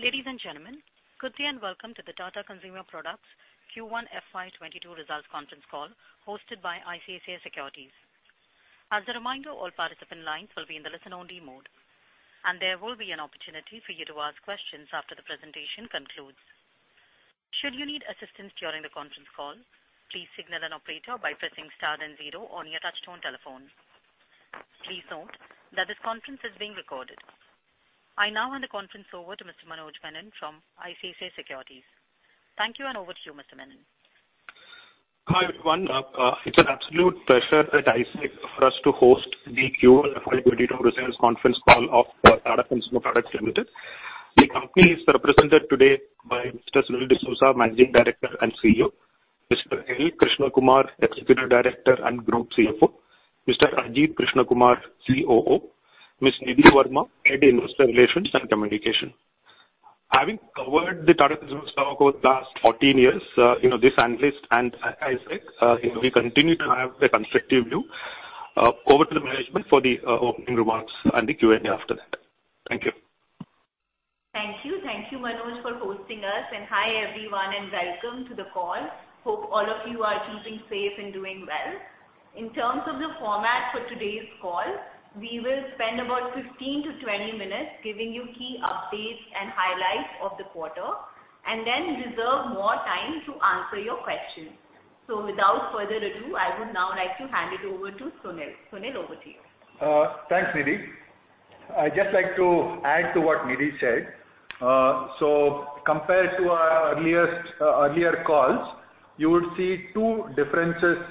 Ladies and gentlemen, good day and welcome to the Tata Consumer Products Q1 FY 2022 results conference call, hosted by ICICI Securities. As a reminder, all participant lines will be in a listen-only mode. There will be an opportunity for you to ask questions after the presentation concludes. Should you need assistance during the conference call, please signal an operator by pressing star then zero on your touchtone telephone. Please note that this conference is being recorded. I now hand the conference over to Mr. Manoj Menon from ICICI Securities. Thank you, and over to you, Mr. Menon. Hi, everyone. It's an absolute pleasure at ICICI for us to host the Q1 FY 2022 Results Conference Call of Tata Consumer Products Limited. The company is represented today by Mr. Sunil D'Souza, Managing Director and CEO, Mr. L. Krishnakumar, Executive Director and Group CFO, Mr. Ajit Krishnakumar, COO, Ms. Nidhi Verma, Head Investor Relations and Communication. Having covered the Tata Consumer stock over the last 14 years, this analyst and ICICI, we continue to have a constructive view. Over to the management for the opening remarks and the Q&A after that. Thank you. Thank you. Thank you, Manoj, for hosting us, and hi everyone, and welcome to the call. Hope all of you are keeping safe and doing well. In terms of the format for today's call, we will spend about 15-20 minutes giving you key updates and highlights of the quarter, and then reserve more time to answer your questions. Without further ado, I would now like to hand it over to Sunil. Sunil, over to you. Thanks, Nidhi. I'd just like to add to what Nidhi said. Compared to our earlier calls, you would see two differences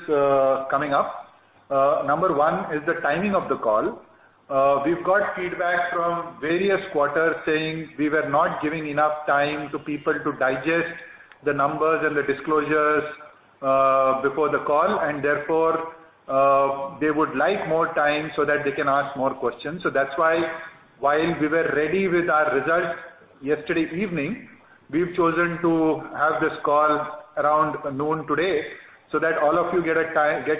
coming up. Number one is the timing of the call. We've got feedback from various quarters saying we were not giving enough time to people to digest the numbers and the disclosures before the call, therefore, they would like more time so that they can ask more questions. That's why while we were ready with our results yesterday evening, we've chosen to have this call around noon today so that all of you get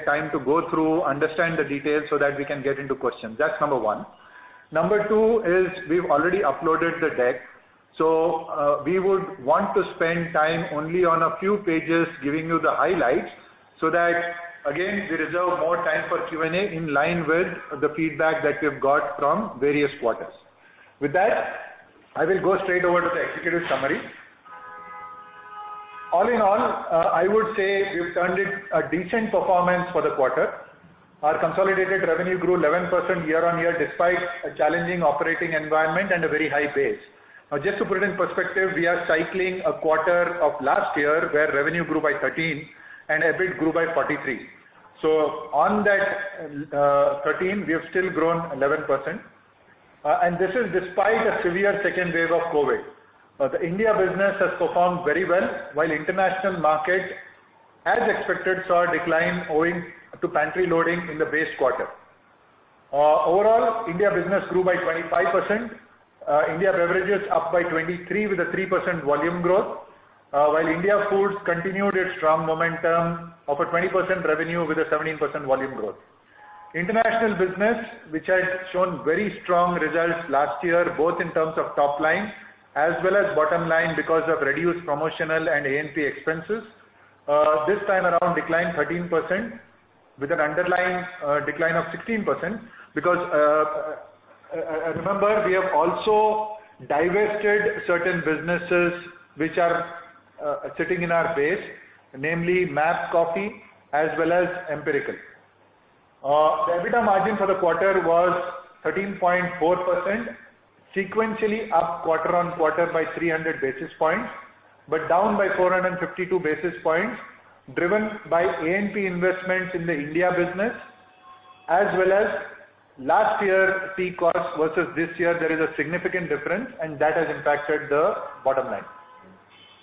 time to go through, understand the details, so that we can get into questions. That's number one. Number two is we've already uploaded the deck. We would want to spend time only on a few pages, giving you the highlights, so that, again, we reserve more time for Q&A in line with the feedback that we've got from various quarters. With that, I will go straight over to the executive summary. All in all, I would say we've turned in a decent performance for the quarter. Our consolidated revenue grew 11% year-on-year, despite a challenging operating environment and a very high base. Just to put it in perspective, we are cycling a quarter of last year where revenue grew by 13% and EBIT grew by 43%. On that 13%, we have still grown 11%, and this is despite a severe second wave of COVID. The India business has performed very well, while international markets, as expected, saw a decline owing to pantry loading in the base quarter. Overall, India business grew by 25%. India beverages up by 23% with a 3% volume growth, while India foods continued its strong momentum of a 20% revenue with a 17% volume growth. International business, which had shown very strong results last year, both in terms of top line as well as bottom line because of reduced promotional and A&P expenses, this time around declined 13% with an underlying decline of 16%, because, remember, we have also divested certain businesses which are sitting in our base, namely MAP Coffee as well as Empirical. The EBITDA margin for the quarter was 13.4%, sequentially up quarter-on-quarter by 300 basis points, but down by 452 basis points, driven by A&P investments in the India business, as well as last year tea costs versus this year, there is a significant difference, and that has impacted the bottom line.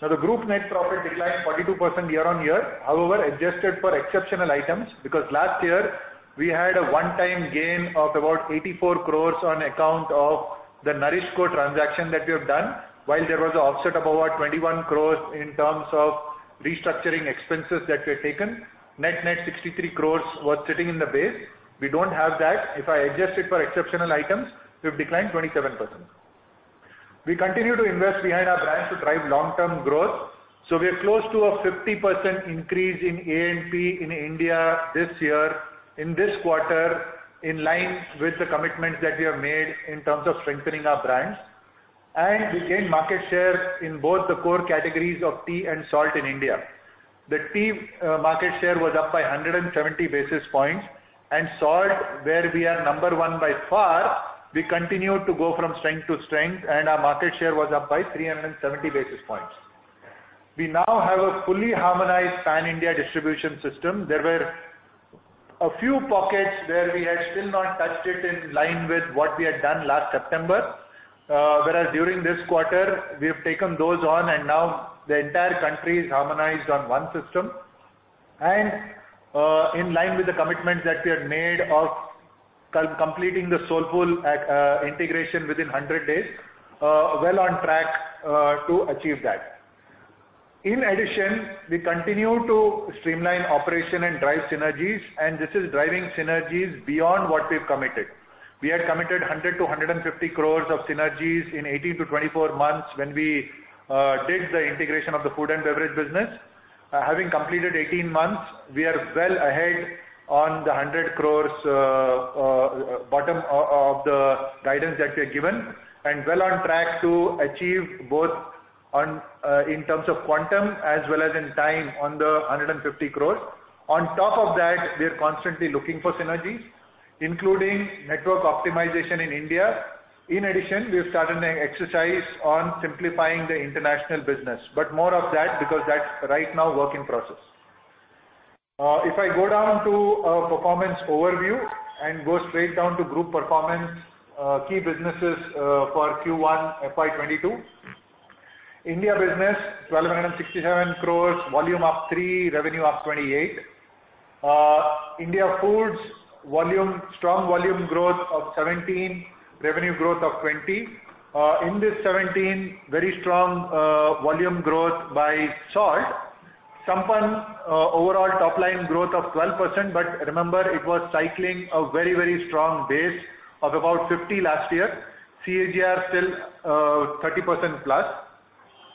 The group net profit declined 42% year-on-year. Adjusted for exceptional items, because last year we had a one-time gain of about 84 crores on account of the NourishCo transaction that we have done. There was an offset of about 21 crores in terms of restructuring expenses that we had taken, net 63 crores was sitting in the base. We don't have that. If I adjust it for exceptional items, we've declined 27%. We continue to invest behind our brands to drive long-term growth. We are close to a 50% increase in A&P in India this year, in this quarter, in line with the commitments that we have made in terms of strengthening our brands. We gained market share in both the core categories of tea and salt in India. The tea market share was up by 170 basis points, and salt, where we are number one by far, we continue to go from strength to strength, and our market share was up by 370 basis points. We now have a fully harmonized pan-India distribution system. There were a few pockets where we had still not touched it in line with what we had done last September. During this quarter, we have taken those on, and now the entire country is harmonized on one system. In line with the commitments that we had made of completing the Soulfull integration within 100 days, well on track to achieve that. In addition, we continue to streamline operation and drive synergies, and this is driving synergies beyond what we've committed. We had committed 100 crore-150 crore of synergies in 18-24 months when we did the integration of the food and beverage business. Having completed 18 months, we are well ahead on the 100 crore bottom of the guidance that we had given, and well on track to achieve both in terms of quantum as well as in time on the 150 crore. We are constantly looking for synergies, including network optimization in India. We have started an exercise on simplifying the international business. More of that, because that's right now work in process. If I go down to performance overview and go straight down to group performance, key businesses for Q1 FY 2022. India business 1,267 crore, volume up 3%, revenue up 28%. India Foods, strong volume growth of 17%, revenue growth of 20%. In this 17%, very strong volume growth by salt. Sampann, overall top line growth of 12%. Remember, it was cycling a very strong base of about 50 last year. CAGR still 30%+.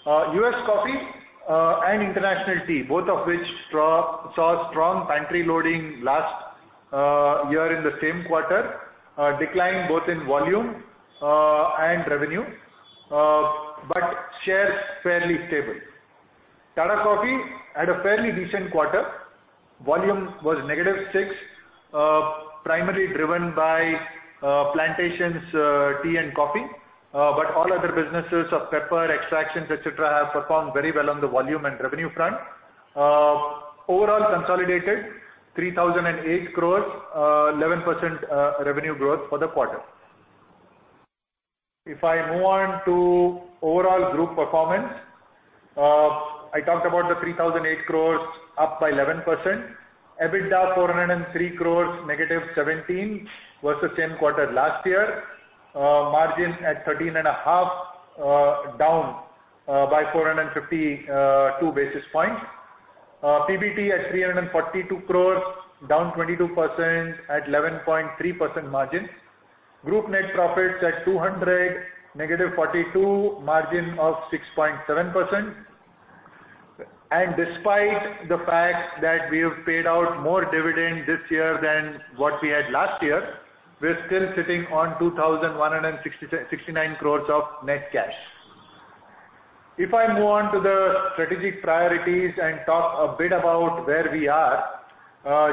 U.S. Coffee and International Tea, both of which saw strong pantry loading last year in the same quarter, decline both in volume and revenue. Shares fairly stable. Tata Coffee had a fairly decent quarter. Volume was -6%, primarily driven by plantations tea and coffee. All other businesses of pepper, extractions, et cetera, have performed very well on the volume and revenue front. Overall consolidated 3,008 crores, 11% revenue growth for the quarter. If I move on to overall group performance, I talked about the 3,008 crores up by 11%, EBITDA 403 crores, -17% versus same quarter last year, margin at 13.5%, down by 452 basis points. PBT at 342 crore, down 22% at 11.3% margin. Group net profits at 200 crore, -42%, margin of 6.7%. Despite the fact that we have paid out more dividend this year than what we had last year, we're still sitting on 2,169 crore of net cash. If I move on to the strategic priorities and talk a bit about where we are,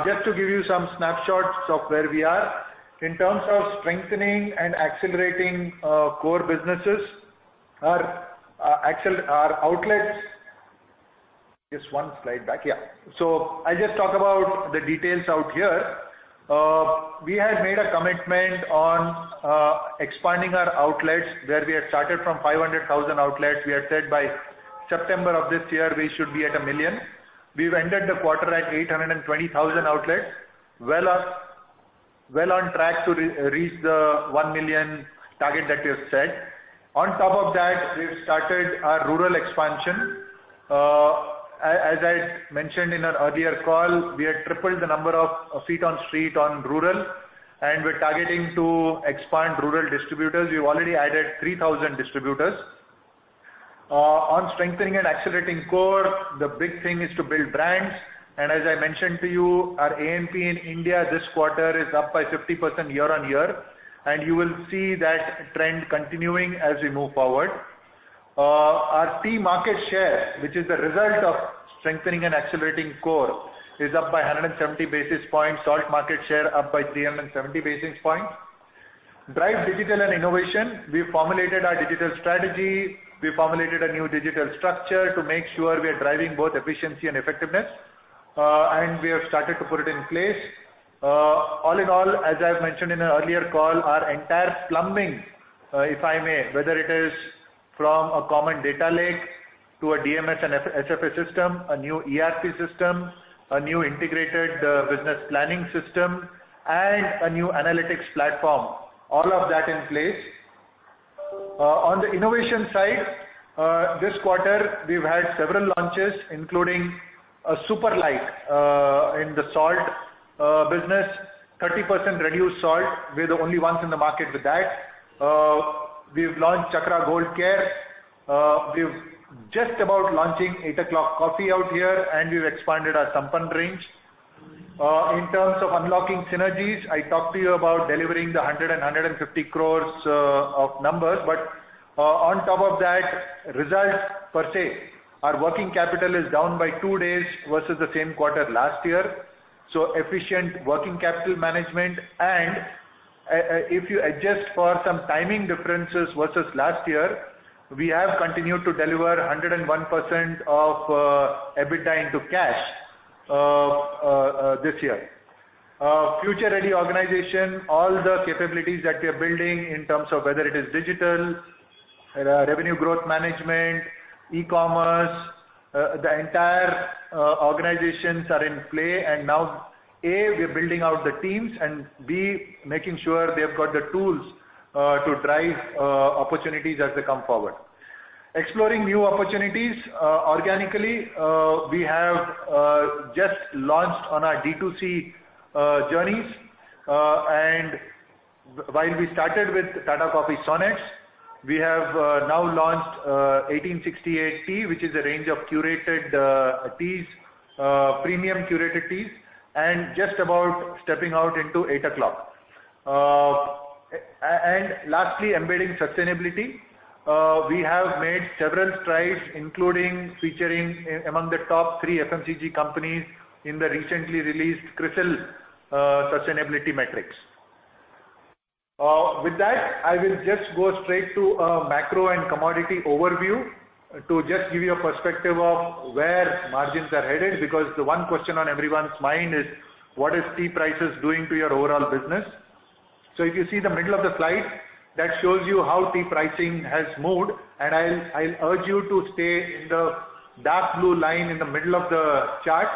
just to give you some snapshots of where we are. In terms of strengthening and accelerating core businesses, our outlets. Just one slide back, yeah. I'll just talk about the details out here. We had made a commitment on expanding our outlets where we had started from 500,000 outlets. We had said by September of this year, we should be at 1 million. We've ended the quarter at 820,000 outlets. Well on track to reach the 1 million target that we have set. On top of that, we've started our rural expansion. As I mentioned in our earlier call, we have tripled the number of feet on street on rural, and we're targeting to expand rural distributors. We've already added 3,000 distributors. On strengthening and accelerating core, the big thing is to build brands. As I mentioned to you, our A&P in India this quarter is up by 50% year-on-year, and you will see that trend continuing as we move forward. Our tea market share, which is the result of strengthening and accelerating core, is up by 170 basis points, salt market share up by 370 basis points. Drive digital and innovation. We formulated our digital strategy. We formulated a new digital structure to make sure we are driving both efficiency and effectiveness, and we have started to put it in place. All in all, as I've mentioned in an earlier call, our entire plumbing, if I may, whether it is from a common data lake to a DMS and SFA system, a new ERP system, a new integrated business planning system, and a new analytics platform, all of that in place. On the innovation side, this quarter, we've had several launches, including a SuperLite in the salt business, 30% reduced salt. We're the only ones in the market with that. We've launched Chakra Gold Care. We're just about launching Eight O'Clock Coffee out here. We've expanded our Sampann range. In terms of unlocking synergies, I talked to you about delivering the 100 crore and 150 crore of numbers. On top of that, results per se, our working capital is down by two days versus the same quarter last year, so efficient working capital management. If you adjust for some timing differences versus last year, we have continued to deliver 101% of EBITDA into cash this year. Future-ready organization, all the capabilities that we are building in terms of whether it is digital, revenue growth management, e-commerce, the entire organizations are in play. Now, A, we are building out the teams, and B, making sure they've got the tools to drive opportunities as they come forward. Exploring new opportunities organically, we have just launched on our D2C journeys. While we started with Tata Coffee Sonnets, we have now launched 1868 Tea, which is a range of premium curated teas, and just about stepping out into Eight O'Clock. Lastly, embedding sustainability. We have made several strides, including featuring among the top three FMCG companies in the recently released CRISIL Sustainability Metrics. With that, I will just go straight to a macro and commodity overview to just give you a perspective of where margins are headed, because the one question on everyone's mind is: What is tea prices doing to your overall business? If you see the middle of the slide, that shows you how tea pricing has moved, and I'll urge you to stay in the dark blue line in the middle of the chart.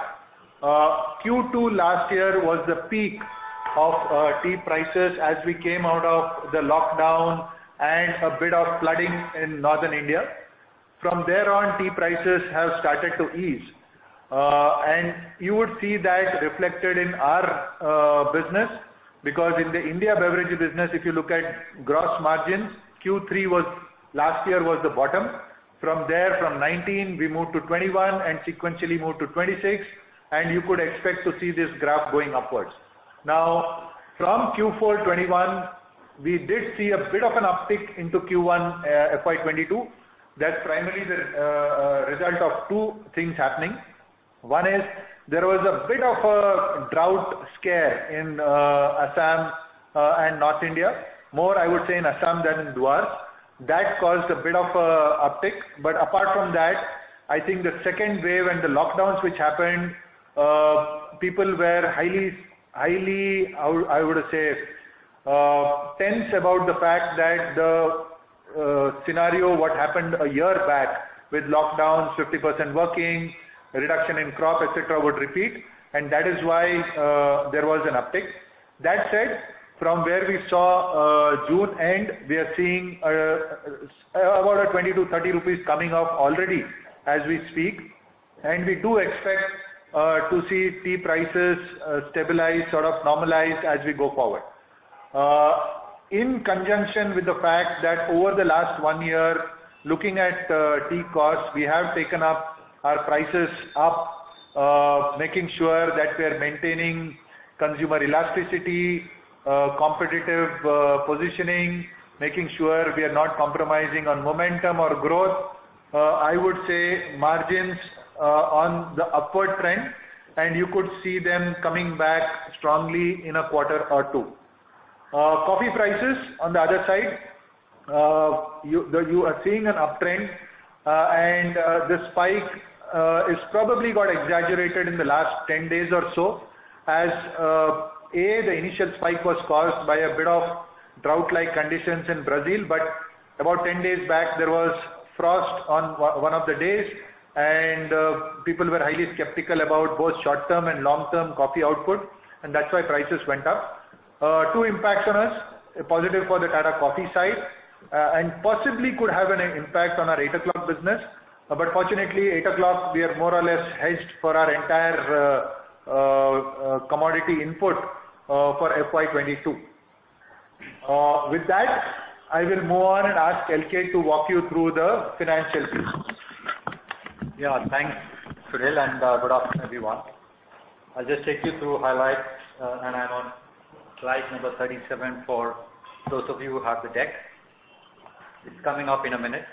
Q2 last year was the peak of tea prices as we came out of the lockdown and a bit of flooding in Northern India. From there on, tea prices have started to ease. You would see that reflected in our business because in the India beverage business, if you look at gross margins, Q3 last year was the bottom. From there, from 19%, we moved to 21%, sequentially moved to 26%. You could expect to see this graph going upwards. From Q4 2021, we did see a bit of an uptick into Q1 FY 2022. That is primarily the result of two things happening. One is there was a bit of a drought scare in Assam and North India. More, I would say, in Assam than in Dooars. That caused a bit of a uptick. Apart from that, I think the second wave and the lockdowns which happened, people were highly, I would say, tense about the fact that the scenario what happened a year back with lockdowns, 50% working, reduction in crop, et cetera, would repeat. That is why there was an uptick. That said, from where we saw June-end, we are seeing about 20-30 rupees coming up already as we speak. We do expect to see tea prices stabilize, sort of normalize as we go forward. In conjunction with the fact that over the last one year, looking at tea costs, we have taken our prices up, making sure that we are maintaining consumer elasticity, competitive positioning, making sure we are not compromising on momentum or growth. I would say margins are on the upward trend, and you could see them coming back strongly in a quarter or two. Coffee prices, on the other side, you are seeing an uptrend, and the spike probably got exaggerated in the last 10 days or so as, A, the initial spike was caused by a bit of drought-like conditions in Brazil. About 10 days back, there was frost on one of the days, and people were highly skeptical about both short-term and long-term coffee output, and that's why prices went up. Two impacts on us, positive for the Tata Coffee side, and possibly could have an impact on our Eight O'Clock business. Fortunately, Eight O'Clock, we are more or less hedged for our entire commodity input for FY 2022. With that, I will move on and ask LK to walk you through the financial piece. Thanks, Sunil, good afternoon, everyone. I'll just take you through highlights, I'm on slide number 37 for those of you who have the deck. It's coming up in a minute.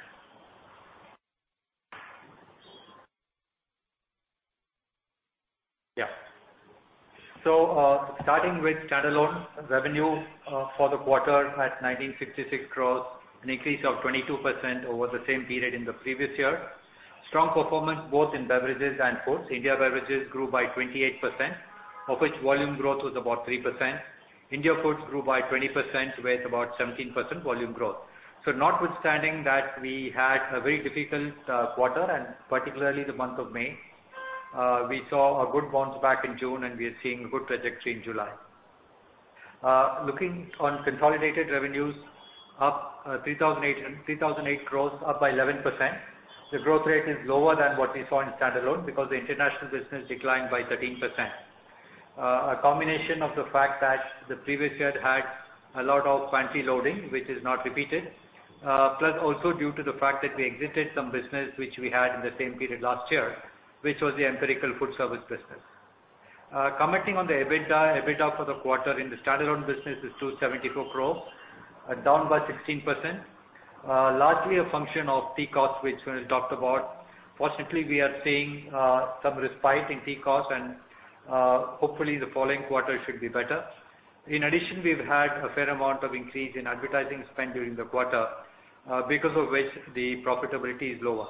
Starting with standalone revenue for the quarter at 1,966 crores, an increase of 22% over the same period in the previous year. Strong performance both in beverages and foods. India beverages grew by 28%, of which volume growth was about 3%. India foods grew by 20%, with about 17% volume growth. Notwithstanding that, we had a very difficult quarter, particularly the month of May. We saw a good bounce back in June, we are seeing a good trajectory in July. Looking on consolidated revenues, 3,008 crores, up by 11%. The growth rate is lower than what we saw in standalone because the international business declined by 13%. A combination of the fact that the previous year had a lot of pantry loading, which is not repeated, plus also due to the fact that we exited some business which we had in the same period last year, which was the Empirical food service business. Commenting on the EBITDA. EBITDA for the quarter in the standalone business is 274 crore, down by 16%, largely a function of tea cost, which Sunil talked about. Fortunately, we are seeing some respite in tea cost. Hopefully, the following quarter it should be better. In addition, we've had a fair amount of increase in advertising spend during the quarter, because of which the profitability is lower.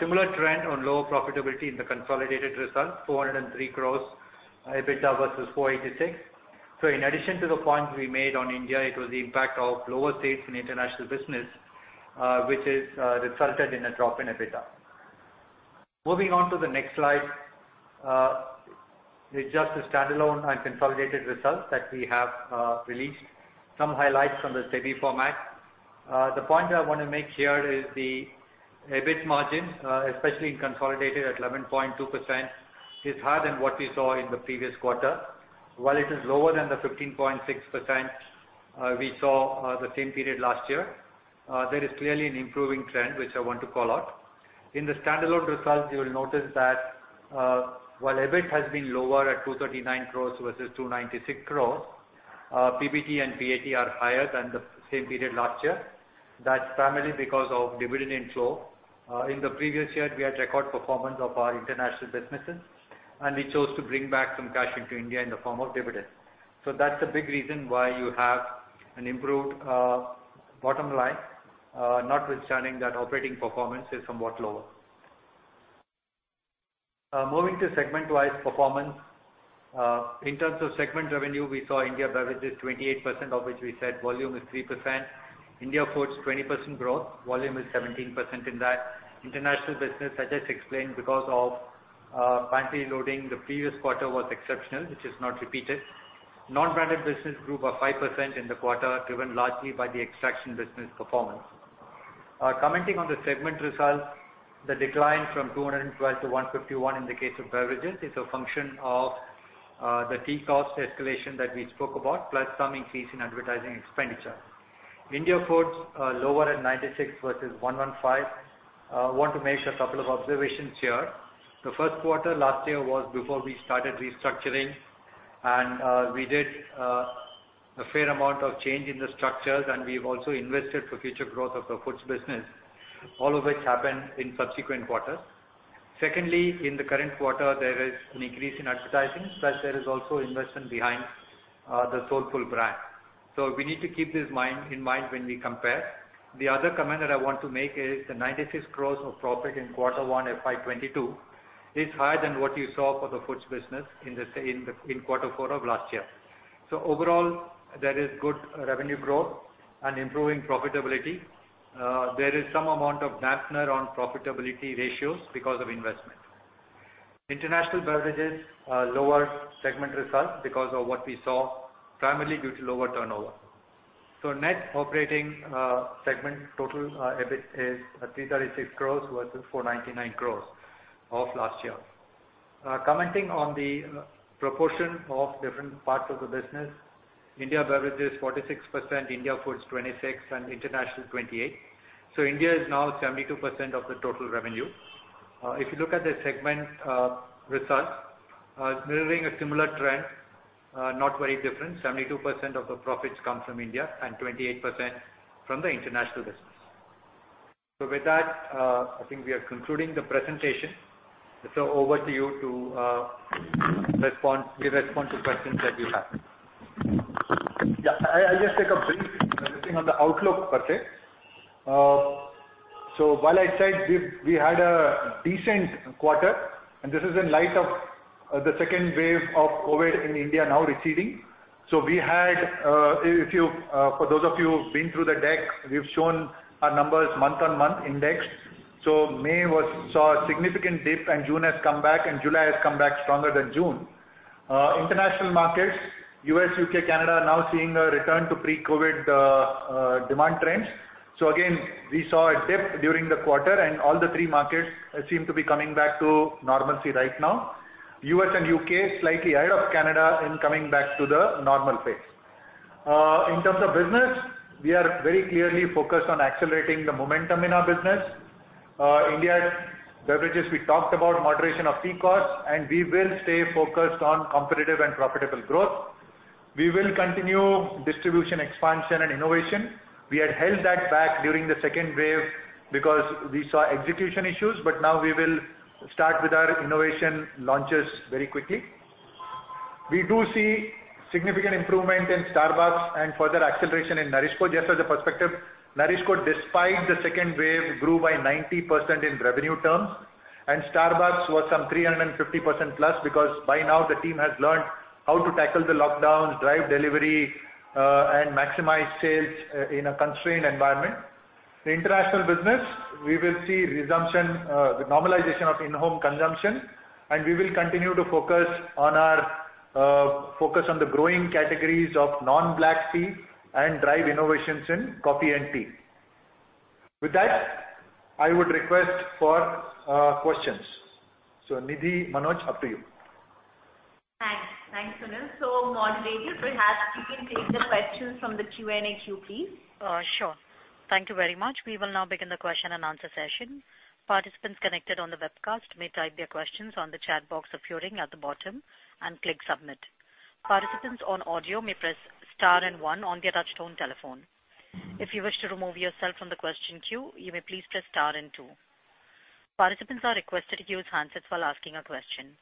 Similar trend on lower profitability in the consolidated results, 403 crore EBITDA versus 486 crore. In addition to the points we made on India, it was the impact of lower sales in international business, which has resulted in a drop in EBITDA. Moving on to the next slide. It's just a standalone and consolidated results that we have released. Some highlights from the SEBI format. The point I want to make here is the EBIT margin, especially in consolidated at 11.2%, is higher than what we saw in the previous quarter. While it is lower than the 15.6% we saw the same period last year, there is clearly an improving trend, which I want to call out. In the standalone results, you will notice that while EBIT has been lower at 239 crores versus 296 crores, PBT and PAT are higher than the same period last year. That's primarily because of dividend inflow. In the previous year, we had record performance of our international businesses, and we chose to bring back some cash into India in the form of dividends. That's a big reason why you have an improved bottom line, notwithstanding that operating performance is somewhat lower. Moving to segment-wise performance. In terms of segment revenue, we saw India beverages, 28% of which we said volume is 3%. India foods, 20% growth, volume is 17% in that. International business, as I explained, because of pantry loading, the previous quarter was exceptional, which is not repeated. Non-branded business grew by 5% in the quarter, driven largely by the extraction business performance. Commenting on the segment results, the decline from 212 to 151 in the case of beverages is a function of the tea cost escalation that we spoke about, plus some increase in advertising expenditure. India foods are lower at 96 versus 105. I want to make a couple of observations here. The first quarter last year was before we started restructuring, and we did a fair amount of change in the structures, and we've also invested for future growth of the foods business, all of which happened in subsequent quarters. In the current quarter, there is an increase in advertising, plus there is also investment behind the Soulfull brand. We need to keep this in mind when we compare. The other comment that I want to make is the 96 crores of profit in Q1 FY 2022 is higher than what you saw for the foods business in quarter four of last year. Overall, there is good revenue growth and improving profitability. There is some amount of dampener on profitability ratios because of investment. International beverages, lower segment results because of what we saw, primarily due to lower turnover. Net operating segment total EBIT is 336 crore versus 499 crore of last year. Commenting on the proportion of different parts of the business, India beverages, 46%, India foods, 26%, and international, 28%. India is now 72% of the total revenue. If you look at the segment results, mirroring a similar trend, not very different. 72% of the profits come from India and 28% from the international business. With that, I think we are concluding the presentation. Over to you to respond to questions that we have. Yes. I'll just take a brief thing on the outlook. While I said we had a decent quarter, and this is in light of the second wave of COVID in India now receding. For those of you who've been through the deck, we've shown our numbers month-on-month indexed. May saw a significant dip, June has come back, July has come back stronger than June. International markets, U.S., U.K., Canada, are now seeing a return to pre-COVID demand trends. Again, we saw a dip during the quarter, all the three markets seem to be coming back to normalcy right now. U.S. and U.K. slightly ahead of Canada in coming back to the normal pace. In terms of business, we are very clearly focused on accelerating the momentum in our business. India beverages, we talked about moderation of tea costs, we will stay focused on competitive and profitable growth. We will continue distribution expansion and innovation. We had held that back during the second wave because we saw execution issues. Now we will start with our innovation launches very quickly. We do see significant improvement in Starbucks and further acceleration in NourishCo. Just as a perspective, NourishCo, despite the second wave, grew by 90% in revenue terms. Starbucks was some 350%+, because by now the team has learned how to tackle the lockdowns, drive delivery, and maximize sales in a constrained environment. The international business, we will see resumption, the normalization of in-home consumption. We will continue to focus on the growing categories of non-black tea and drive innovations in coffee and tea. With that, I would request for questions. Nidhi, Manoj, up to you. Thanks. Thanks, Sunil. Moderators, perhaps you can take the questions from the Q&A queue, please. Sure. Thank you very much. We will now begin the question and answer session. Participants connected on the webcast may type their questions on the chat box appearing at the bottom and click submit. Participants on audio may press star and one on their touch-tone telephone. If you wish to remove yourself from the question queue, you may please press star and two. Participants are requested to use handsets while asking a question.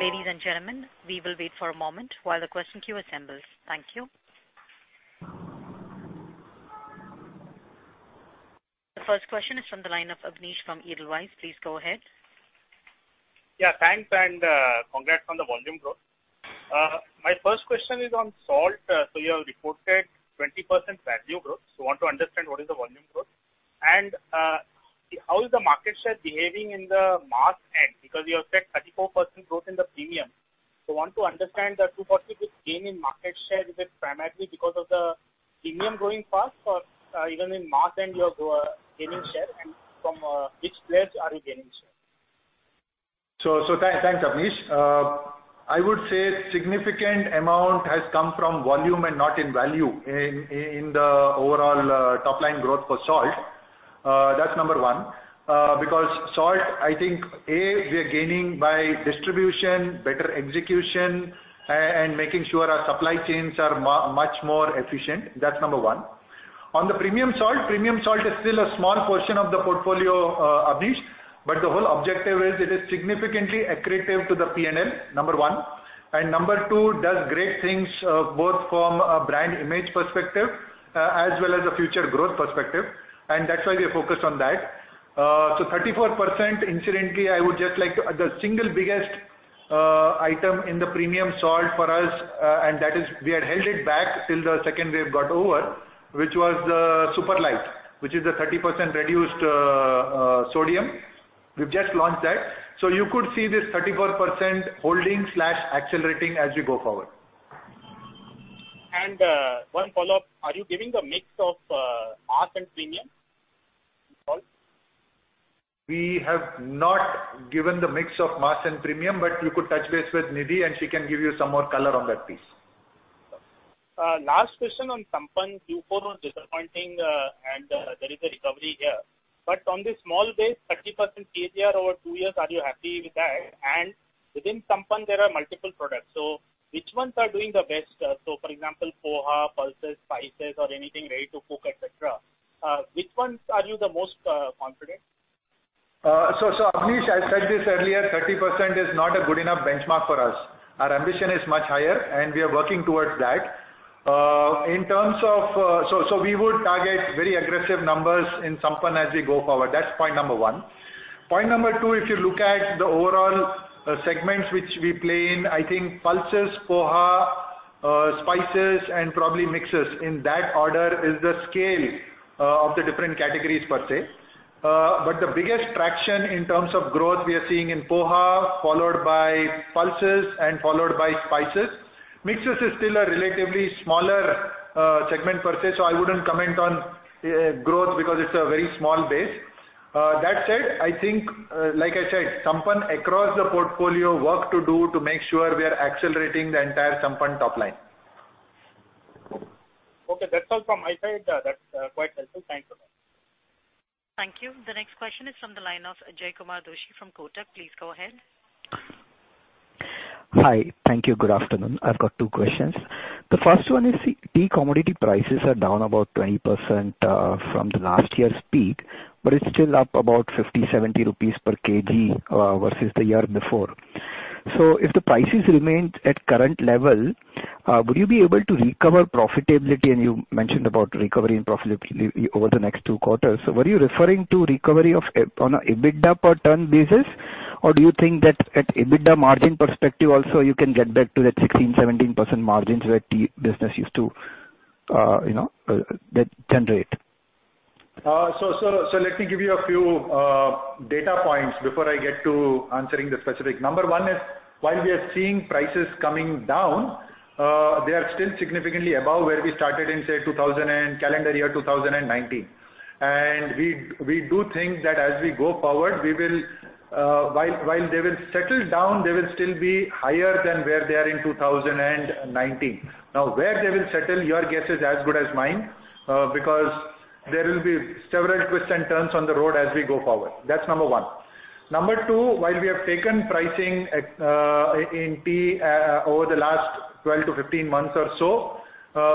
Ladies and gentlemen, we will wait for a moment while the question queue assembles. Thank you. The first question is from the line of Abneesh from Edelweiss. Please go ahead. Yeah, thanks, and congrats on the volume growth. My first question is on salt. You have reported 20% value growth. I want to understand what is the volume growth, and how is the market share behaving in the mass end, because you have said 34% growth in the premium. I want to understand the gain in market share. Is it primarily because of the premium growing fast, or even in mass end, you are gaining share, and from which place are you gaining share? Thanks, Abneesh. I would say significant amount has come from volume and not in value in the overall top-line growth for salt. That's number one. Salt, I think, A, we are gaining by distribution, better execution, and making sure our supply chains are much more efficient. That's number one. On the premium salt, premium salt is still a small portion of the portfolio, Abneesh. The whole objective is that it is significantly accretive to the P&L, number one. Number two, does great things both from a brand image perspective as well as a future growth perspective, and that's why we are focused on that. 34%, incidentally, the single biggest item in the premium salt for us, and that is we had held it back till the second wave got over, which was the SuperLite, which is the 30% reduced sodium. We've just launched that. You could see this 34% holding/accelerating as we go forward. One follow-up. Are you giving the mix of mass and premium in salt? We have not given the mix of mass and premium, but you could touch base with Nidhi, and she can give you some more color on that piece. Last question on Sampann. Q4 was disappointing. There is a recovery here. On the small base, 30% CAGR over two years, are you happy with that? Within Sampann, there are multiple products. Which ones are doing the best? For example, poha, pulses, spices, or anything ready to cook, et cetera. Which ones are you the most confident? Abneesh, I said this earlier, 30% is not a good enough benchmark for us. Our ambition is much higher, and we are working towards that. We would target very aggressive numbers in Sampann as we go forward. That's point number one. Point number two, if you look at the overall segments which we play in, I think pulses, poha, spices, and probably mixes in that order is the scale of the different categories per se. The biggest traction in terms of growth we are seeing in poha, followed by pulses, and followed by spices. Mixes is still a relatively smaller segment per se, I wouldn't comment on growth because it's a very small base. That said, like I said, Sampann, across the portfolio, work to do to make sure we are accelerating the entire Sampann top line. Okay, that's all from my side. That's quite helpful. Thanks a lot. Thank you. The next question is from the line of Jaykumar Doshi from Kotak. Please go ahead. Hi. Thank you. Good afternoon. I've got two questions. The first one is, tea commodity prices are down about 20% from the last year's peak, but it's still up about 50, 70 rupees per kg versus the year before. If the prices remained at current level, would you be able to recover profitability? You mentioned about recovery in profitability over the next two quarters. Were you referring to recovery on an EBITDA per ton basis, or do you think that at EBITDA margin perspective also you can get back to that 16%-17% margins where tea business used to generate? Let me give you a few data points before I get to answering the specific. Number one is, while we are seeing prices coming down, they are still significantly above where we started in, say, calendar year 2019. We do think that as we go forward, while they will settle down, they will still be higher than where they are in 2019. Where they will settle, your guess is as good as mine, because there will be several twists and turns on the road as we go forward. That's number one. Number two, while we have taken pricing in tea over the last 12-15 months or so,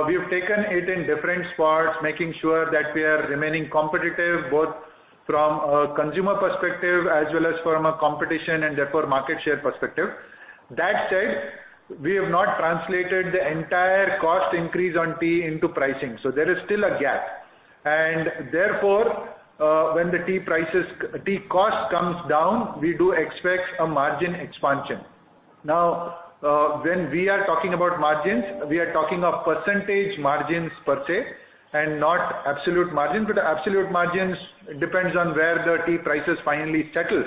we have taken it in different parts, making sure that we are remaining competitive, both from a consumer perspective as well as from a competition and therefore market share perspective. That said, we have not translated the entire cost increase on tea into pricing. There is still a gap. Therefore, when the tea cost comes down, we do expect a margin expansion. When we are talking about margins, we are talking of percentage margins per se and not absolute margin, because absolute margins depends on where the tea prices finally settle.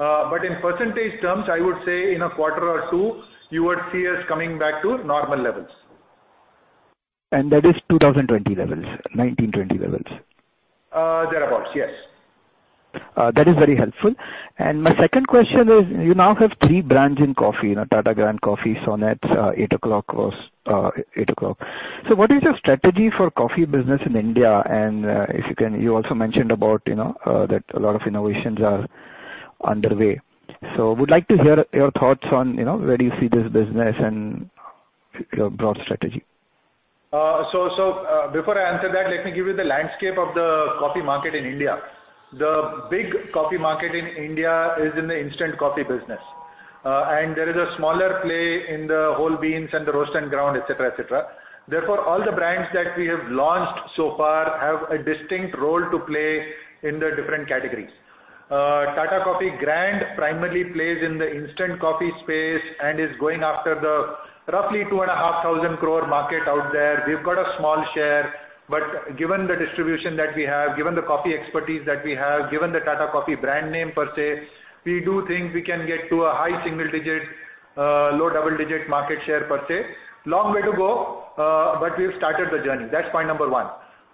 In percentage terms, I would say in a quarter or two, you would see us coming back to normal levels. That is 2020 levels, 1920 levels? Thereabouts, yes. That is very helpful. My second question is, you now have three brands in coffee, Tata Grand Coffee, Sonnets, Eight O'Clock. What is your strategy for coffee business in India? You also mentioned about that a lot of innovations are underway. I would like to hear your thoughts on where do you see this business and your broad strategy. Before I answer that, let me give you the landscape of the coffee market in India. The big coffee market in India is in the instant coffee business. There is a smaller play in the whole beans and the roast and ground, et cetera. All the brands that we have launched so far have a distinct role to play in the different categories. Tata Coffee Grand primarily plays in the instant coffee space and is going after the roughly 2,500 crore market out there. We've got a small share, but given the distribution that we have, given the coffee expertise that we have, given the Tata Coffee brand name per se, we do think we can get to a high single digit, low double digit market share per se. Long way to go, we've started the journey. That's point number one.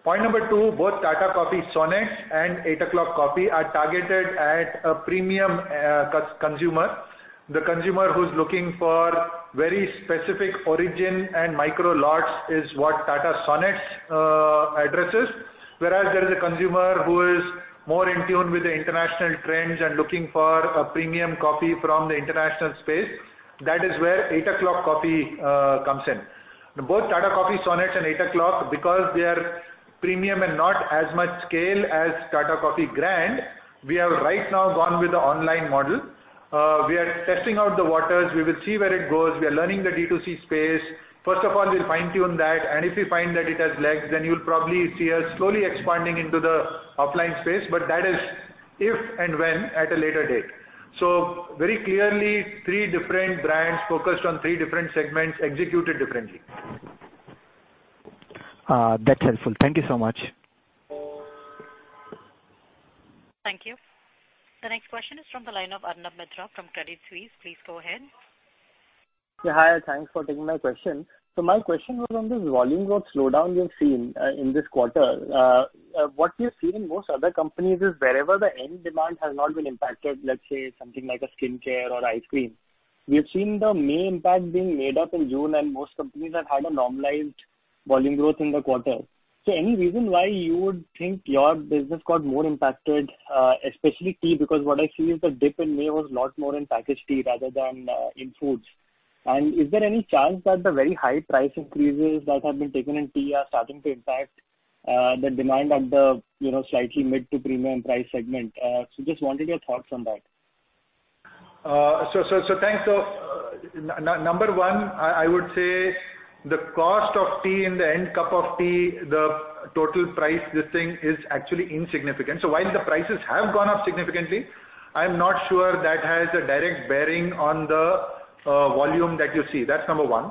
Point number two, both Tata Coffee Sonnets and Eight O'Clock Coffee are targeted at a premium consumer. The consumer who's looking for very specific origin and micro lots is what Tata Sonnets addresses. There is a consumer who is more in tune with the international trends and looking for a premium coffee from the international space. That is where Eight O'Clock Coffee comes in. Both Tata Coffee Sonnets and Eight O'Clock, because they are premium and not as much scale as Tata Coffee Grand, we have right now gone with the online model. We are testing out the waters. We will see where it goes. We are learning the D2C space. First of all, we'll fine-tune that, and if we find that it has legs, then you'll probably see us slowly expanding into the offline space. That is if and when at a later date. Very clearly, three different brands focused on three different segments executed differently. That's helpful. Thank you so much. Thank you. The next question is from the line of Arnab Mitra from Credit Suisse. Please go ahead. Hi, thanks for taking my question. My question was on this volume growth slowdown you've seen in this quarter. What we've seen in most other companies is wherever the end demand has not been impacted, let's say something like a skincare or ice cream. We have seen the main impact being made up in June, and most companies have had a normalized volume growth in the quarter. Any reason why you would think your business got more impacted, especially tea? Because what I see is the dip in May was a lot more in packaged tea rather than in foods. Is there any chance that the very high price increases that have been taken in tea are starting to impact the demand at the slightly mid to premium price segment? Just wanted your thoughts on that. Thanks. Number one, I would say the cost of tea in the end cup of tea, the total price, this thing is actually insignificant. While the prices have gone up significantly, I am not sure that has a direct bearing on the volume that you see. That is number one.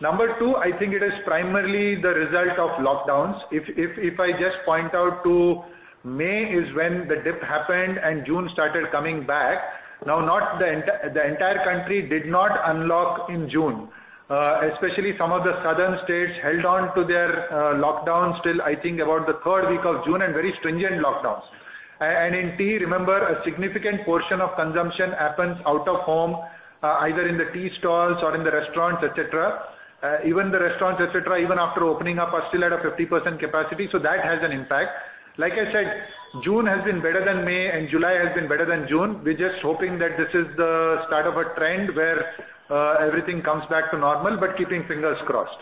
Number two, I think it is primarily the result of lockdowns. If I just point out to May is when the dip happened and June started coming back. The entire country did not unlock in June. Especially some of the southern states held on to their lockdowns till, I think, about the third week of June, and very stringent lockdowns. In tea, remember, a significant portion of consumption happens out of home, either in the tea stalls or in the restaurants, et cetera. Even the restaurants, et cetera, even after opening up, are still at a 50% capacity. That has an impact. Like I said, June has been better than May, and July has been better than June. We're just hoping that this is the start of a trend where everything comes back to normal, but keeping fingers crossed.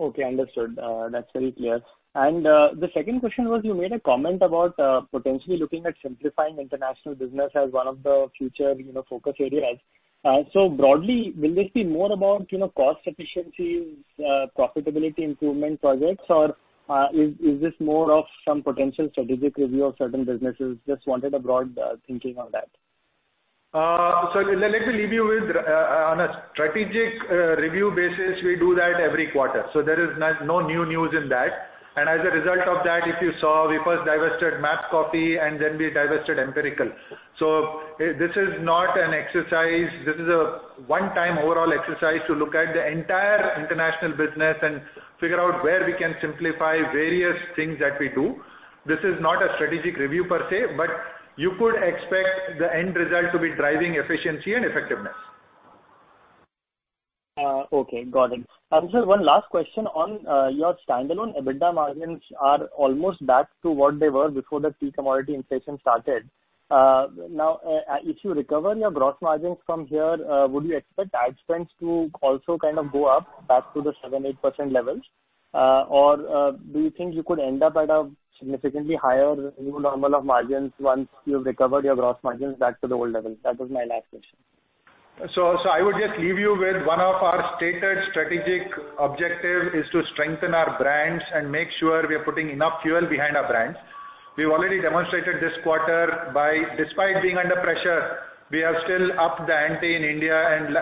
Okay, understood. That's very clear. The second question was, you made a comment about potentially looking at simplifying international business as one of the future focus areas. Broadly, will this be more about cost efficiencies, profitability improvement projects, or is this more of some potential strategic review of certain businesses? Just wanted a broad thinking on that. Let me leave you with, on a strategic review basis, we do that every quarter. There is no new news in that. As a result of that, if you saw, we first divested MAP Coffee, and then we divested Empirical. This is not an exercise. This is a one-time overall exercise to look at the entire international business and figure out where we can simplify various things that we do. This is not a strategic review per se, but you could expect the end result to be driving efficiency and effectiveness. Okay, got it. Sir, one last question on your standalone EBITDA margins are almost back to what they were before the tea commodity inflation started. If you recover your gross margins from here, would you expect ad spends to also kind of go up back to the 7%, 8% levels? Do you think you could end up at a significantly higher new normal of margins once you've recovered your gross margins back to the old levels? That was my last question. I would just leave you with one of our stated strategic objective is to strengthen our brands and make sure we are putting enough fuel behind our brands. We've already demonstrated this quarter by despite being under pressure, we are still up the ante in India and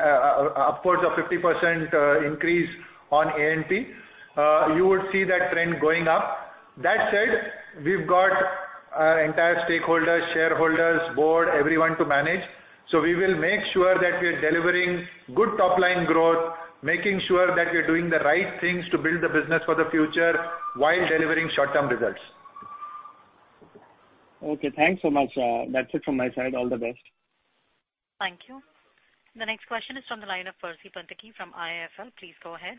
upwards of 50% increase on A&P. You would see that trend going up. That said, we've got entire stakeholders, shareholders, board, everyone to manage. We will make sure that we're delivering good top-line growth, making sure that we're doing the right things to build the business for the future while delivering short-term results. Okay, thanks so much. That's it from my side. All the best. Thank you. The next question is from the line of Percy Panthaki from IIFL. Please go ahead.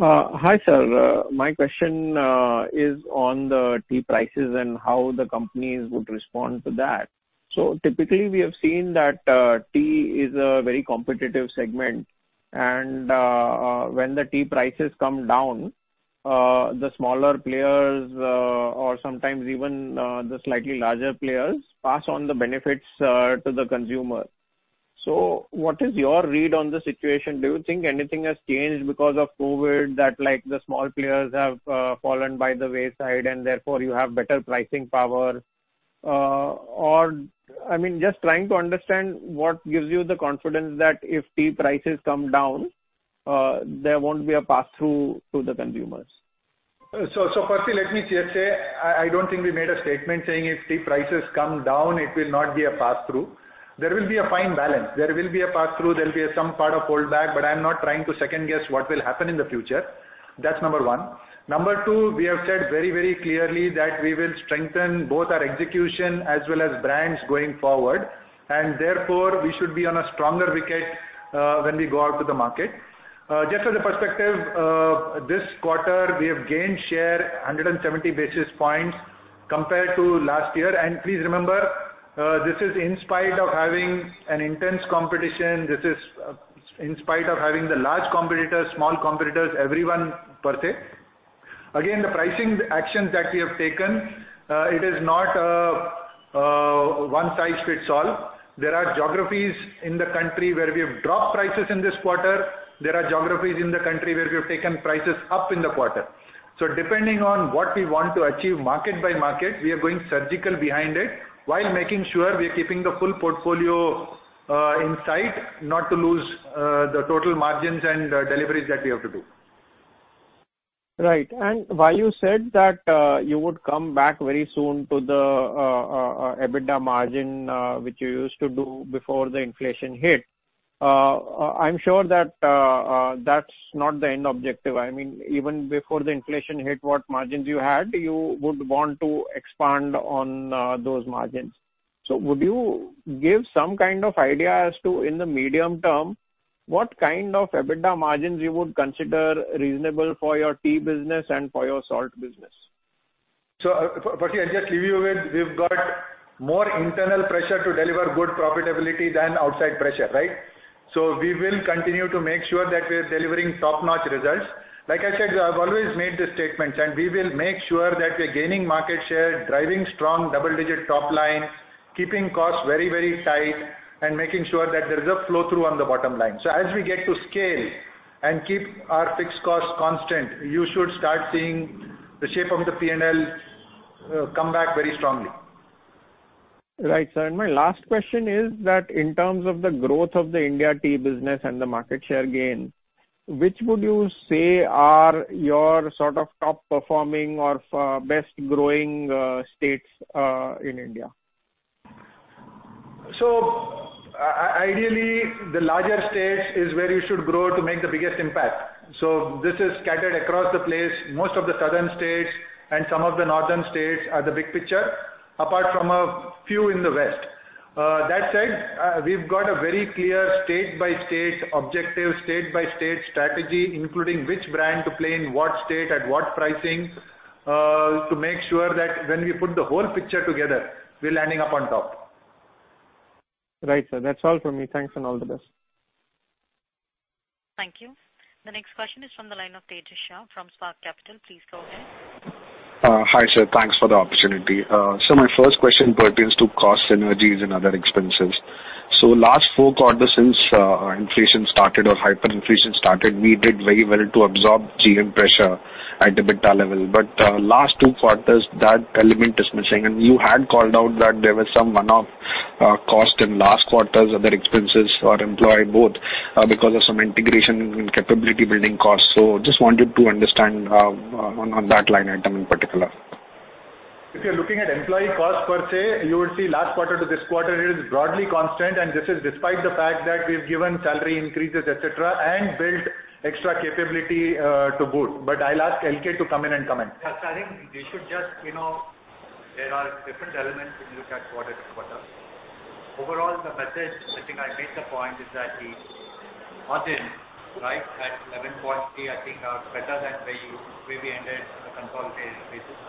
Hi, sir. My question is on the tea prices and how the companies would respond to that. Typically, we have seen that tea is a very competitive segment, and when the tea prices come down, the smaller players, or sometimes even the slightly larger players, pass on the benefits to the consumer. What is your read on the situation? Do you think anything has changed because of COVID that the small players have fallen by the wayside and therefore you have better pricing power? I mean, just trying to understand what gives you the confidence that if tea prices come down, there won't be a pass-through to the consumers. Firstly, let me just say, I don't think we made a statement saying if tea prices come down, it will not be a pass-through. There will be a fine balance. There will be a pass-through, there'll be some part of hold back, but I'm not trying to second guess what will happen in the future. That's number one. Number two, we have said very clearly that we will strengthen both our execution as well as brands going forward, therefore we should be on a stronger wicket when we go out to the market. Just as a perspective, this quarter, we have gained share 170 basis points compared to last year, please remember, this is in spite of having an intense competition, this is in spite of having the large competitors, small competitors, everyone per se. Again, the pricing actions that we have taken, it is not one size fits all. There are geographies in the country where we have dropped prices in this quarter. There are geographies in the country where we have taken prices up in the quarter. Depending on what we want to achieve market by market, we are going surgical behind it while making sure we're keeping the full portfolio in sight not to lose the total margins and deliveries that we have to do. Right. While you said that you would come back very soon to the EBITDA margin, which you used to do before the inflation hit, I'm sure that's not the end objective. I mean, even before the inflation hit, what margins you had, you would want to expand on those margins. Would you give some kind of idea as to, in the medium term, what kind of EBITDA margins you would consider reasonable for your tea business and for your salt business? Firstly, I'll just leave you with, we've got more internal pressure to deliver good profitability than outside pressure. We will continue to make sure that we're delivering top-notch results. Like I said, I've always made the statements, and we will make sure that we're gaining market share, driving strong double-digit top line, keeping costs very tight, and making sure that there is a flow-through on the bottom line. As we get to scale and keep our fixed costs constant, you should start seeing the shape of the P&L come back very strongly. Right, sir. My last question is that in terms of the growth of the India tea business and the market share gain, which would you say are your top-performing or best growing states in India? Ideally, the larger states is where you should grow to make the biggest impact. This is scattered across the place. Most of the southern states and some of the northern states are the big picture, apart from a few in the west. That said, we've got a very clear state-by-state objective, state-by-state strategy, including which brand to play in what state at what pricing, to make sure that when we put the whole picture together, we're landing up on top. Right, sir. That's all from me. Thanks and all the best. Thank you. The next question is from the line of Tejas Shah from Spark Capital. Please go ahead. Hi, sir. Thanks for the opportunity. My first question pertains to cost synergies and other expenses. Last four quarters since inflation started or hyperinflation started, we did very well to absorb GM pressure at EBITDA level. Last two quarters, that element is missing, and you had called out that there was some one-off cost in last quarter's other expenses for employee both because of some integration and capability building costs. Just wanted to understand on that line item in particular. If you're looking at employee costs per se, you will see last quarter to this quarter, it is broadly constant. This is despite the fact that we've given salary increases, et cetera, and built extra capability to boot. I'll ask LK to come in and comment. Yes. I think there are different elements when you look at quarter to quarter. Overall, the message I think I made the point is that the margin at 11.3%, I think are better than where we ended on a consolidated basis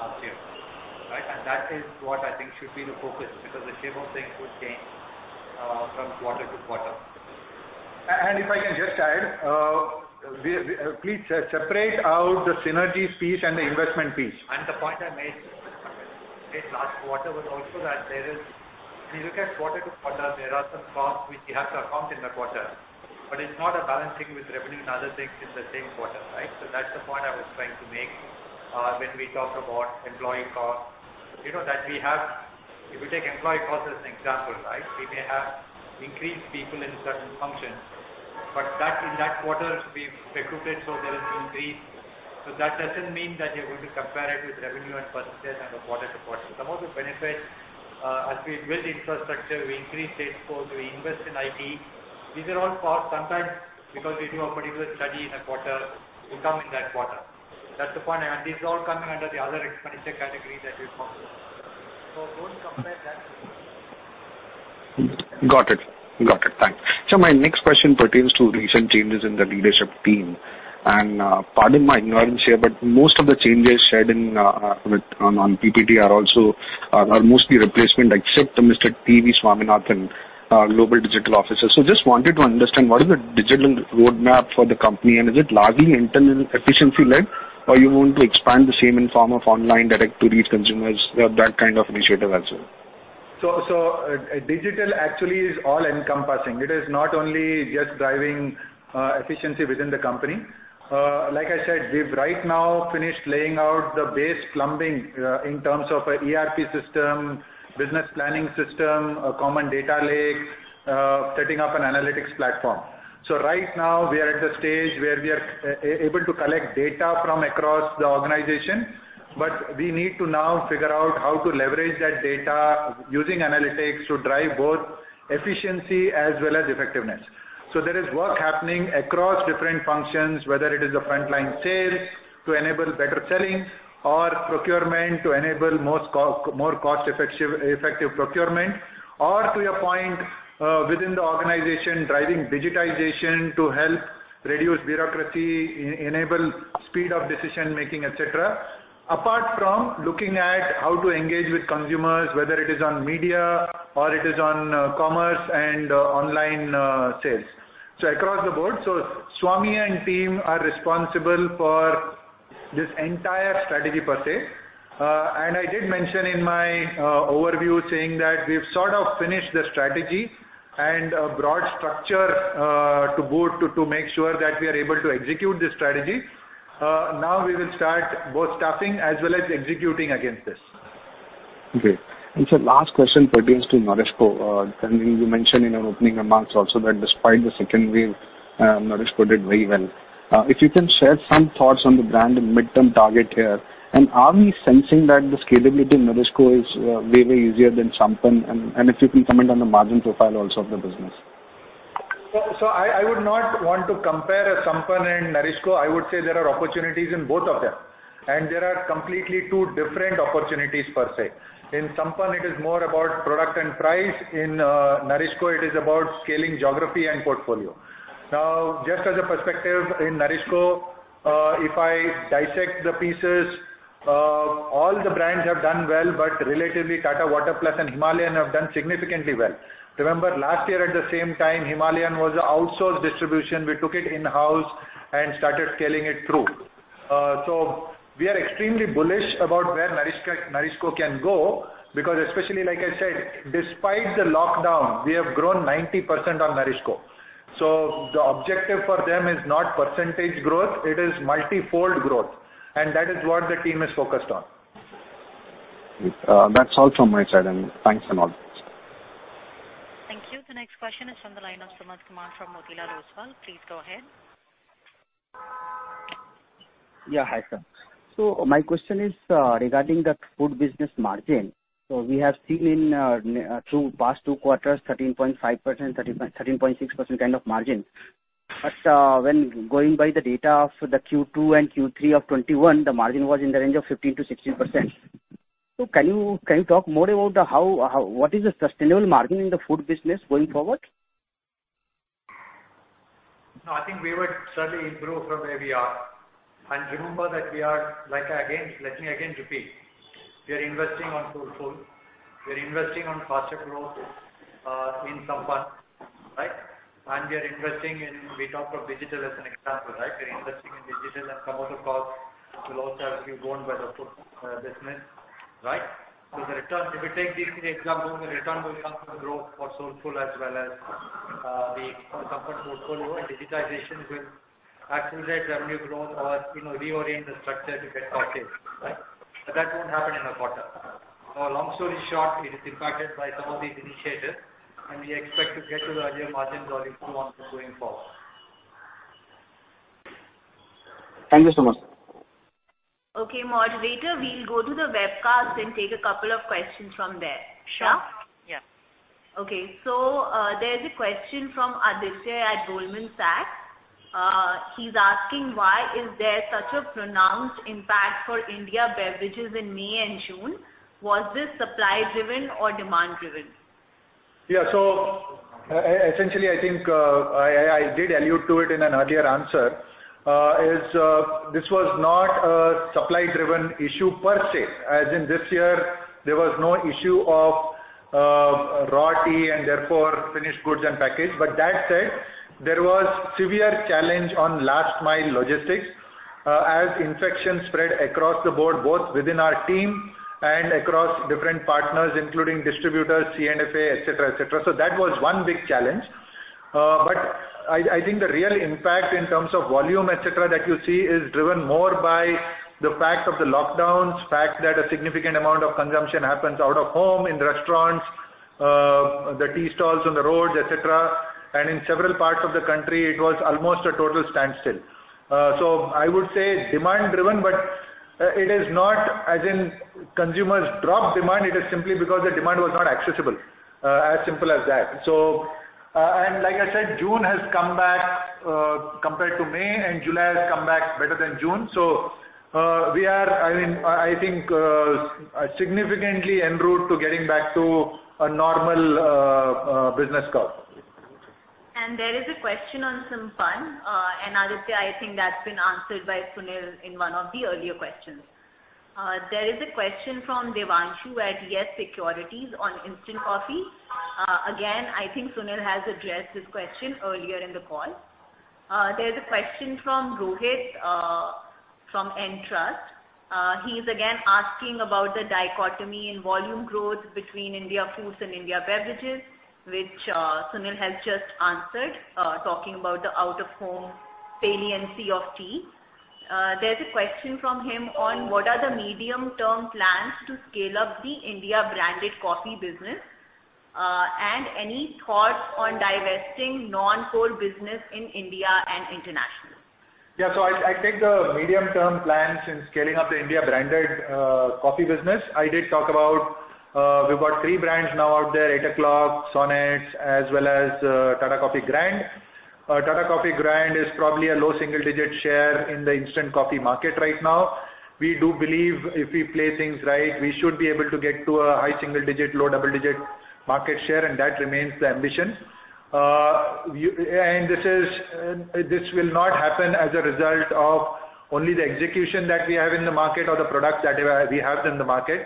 last year. Right? That is what I think should be the focus because the shape of things would change from quarter to quarter. If I can just add, please separate out the synergies piece and the investment piece. The point I made, Tejas, last quarter was also that when you look at quarter-to-quarter, there are some costs which we have to account in the quarter, but it's not a balancing with revenue and other things in the same quarter. That's the point I was trying to make when we talked about employee costs. If you take employee costs as an example, we may have increased people in certain functions, but in that quarter we've recruited, so there is increase. That doesn't mean that you're going to compare it with revenue and percentage of quarter-to-quarter. Some of the benefits, as we build infrastructure, we increase sales force, we invest in IT. These are all costs sometimes because we do a particular study in a quarter, we come in that quarter. That's the point, and these all come under the other expenditure category that we focus on. Don't compare that. Got it. Thanks. My next question pertains to recent changes in the leadership team. Pardon my ignorance here, but most of the changes shared on PPT are mostly replacement except Mr. T. V. Swaminathan, Global Chief Digital Officer. Just wanted to understand what is the digital roadmap for the company, and is it largely internal efficiency-led, or you want to expand the same in form of online direct to consumer, that kind of initiative also? Digital actually is all encompassing. It is not only just driving efficiency within the company. Like I said, we've right now finished laying out the base plumbing in terms of an ERP system, business planning system, a common data lake, setting up an analytics platform. Right now we are at the stage where we are able to collect data from across the organization, but we need to now figure out how to leverage that data using analytics to drive both efficiency as well as effectiveness. There is work happening across different functions, whether it is the frontline sales to enable better selling or procurement to enable more cost-effective procurement, or to your point, within the organization, driving digitization to help reduce bureaucracy, enable speed of decision-making, et cetera, apart from looking at how to engage with consumers, whether it is on media or it is on commerce and online sales. Across the board. Swami and team are responsible for this entire strategy per se. I did mention in my overview saying that we've sort of finished the strategy and a broad structure to make sure that we are able to execute this strategy. We will start both staffing as well as executing against this. Okay. Sir, last question pertains to NourishCo. You mentioned in your opening remarks also that despite the second wave, NourishCo did very well. If you can share some thoughts on the brand and mid-term target here, are we sensing that the scalability in NourishCo is way easier than Sampann? If you can comment on the margin profile also of the business. I would not want to compare Sampann and NourishCo. I would say there are opportunities in both of them, there are completely two different opportunities per se. In Sampann, it is more about product and price. In NourishCo, it is about scaling geography and portfolio. Just as a perspective in NourishCo, if I dissect the pieces, all the brands have done well, but relatively Tata Water Plus and Himalayan have done significantly well. Remember last year at the same time, Himalayan was outsourced distribution. We took it in-house and started scaling it through. We are extremely bullish about where NourishCo can go because, especially like I said, despite the lockdown, we have grown 90% on NourishCo. The objective for them is not percentage growth. It is multi-fold growth, that is what the team is focused on. That's all from my side, and thanks a lot. Thank you. The next question is on the line of Sumant Kumar from Motilal Oswal. Please go ahead. Yeah. Hi, sir. My question is regarding the food business margin. We have seen through past two quarters, 13.5%, 13.6% kind of margin. When going by the data of the Q2 and Q3 of 2021, the margin was in the range of 15%-16%. Can you talk more about what is the sustainable margin in the food business going forward? No, I think we would certainly improve from where we are. Let me again repeat. We are investing on Soulfull, we are investing on faster growth in Sampann. We are investing in, we talked of digital as an example. We're investing in digital and some of the costs will also be borne by the food business. The return, if you take this as an example, the return will come from growth for Soulfull as well as the Sampann portfolio and digitization will accelerate revenue growth or reorient the structure to get profit. That won't happen in a quarter. Long story short, it is impacted by some of these initiatives, and we expect to get to higher margins or improve on this going forward. Thank you so much. Okay, moderator, we'll go to the webcast and take a couple of questions from there. Sure? Yeah. Okay. There's a question from Aditya at Goldman Sachs. He's asking, why is there such a pronounced impact for India beverages in May and June? Was this supply-driven or demand-driven? Essentially, I think, I did allude to it in an earlier answer, this was not a supply-driven issue per se, as in this year, there was no issue of raw tea and therefore finished goods and package. That said, there was severe challenge on last mile logistics, as infections spread across the board, both within our team and across different partners, including distributors, C&FA, et cetera. That was one big challenge. I think the real impact in terms of volume, et cetera, that you see is driven more by the fact of the lockdowns, fact that a significant amount of consumption happens out of home, in restaurants, the tea stalls on the roads, et cetera, and in several parts of the country, it was almost a total standstill. I would say demand-driven, but it is not as in consumers dropped demand, it is simply because the demand was not accessible, as simple as that. Like I said, June has come back, compared to May, and July has come back better than June. We are, I think, significantly en route to getting back to a normal business curve. There is a question on Sampann, and Aditya, I think that's been answered by Sunil in one of the earlier questions. There is a question from Devanshu at Yes Securities on instant coffee. Again, I think Sunil has addressed this question earlier in the call. There's a question from Rohit, from Entrust. He's again asking about the dichotomy in volume growth between India Foods and India Beverages, which Sunil has just answered, talking about the out-of-home saliency of tea. There's a question from him on what are the medium-term plans to scale up the India branded coffee business, and any thoughts on divesting non-core business in India and international. Yeah. I think the medium-term plans in scaling up the India branded coffee business, I did talk about, we've got three brands now out there, Eight O'Clock, Sonnets, as well as Tata Coffee Grand. Tata Coffee Grand is probably a low single-digit share in the instant coffee market right now. We do believe if we play things right, we should be able to get to a high single-digit, low double-digit market share, and that remains the ambition. This will not happen as a result of only the execution that we have in the market or the products that we have in the market.